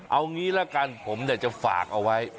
เอางี้ละกันผมจะฝากเอาไว้